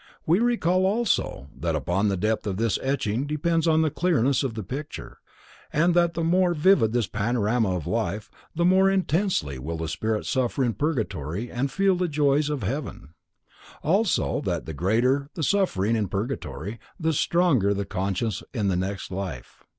We recall also, that upon the depth of this etching depends the clearness of the picture, and that the more vivid this panorama of life, the more intensely will the spirit suffer in purgatory and feel the joys of heaven; also, that the greater the suffering in purgatory the stronger the conscience in the next life.